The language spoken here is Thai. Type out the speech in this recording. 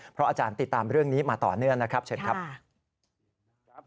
เพราะอาจารย์ติดตามเรื่องนี้มาต่อเนื่องนะครับเชิญครับ